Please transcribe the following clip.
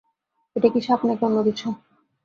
এটা কি সাপ না কি অন্য কিছু?